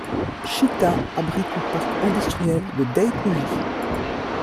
Chita abrite le parc industriel de Daikouji.